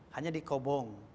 hanya di kobong